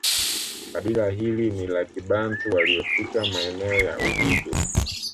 Kabila hili ni la kibantu waliofika maeneo ya Udigo